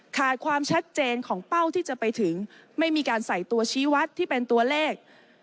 ขาดความชัดเจนของเป้าที่จะไปถึงไม่มีการใส่ตัวชี้วัดที่เป็นตัวเลข